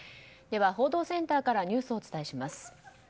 では報道センターからニュースをお伝えします。